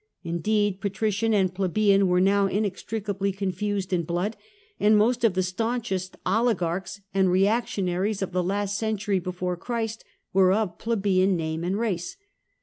Indeed patrician and plebeian were now inextricably confused in blood, and most of the staunchest oligarchs and reactionaries of the last century before Christ were of plebeian name and race.